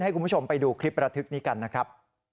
ให้คุณผู้ชมไปดูคลิประทึกนี้กันนะครับ